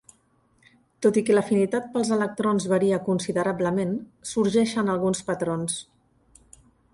Tot i que l'afinitat pels electrons varia considerablement, sorgeixen alguns patrons.